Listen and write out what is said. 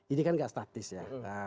ini kan gak statis ya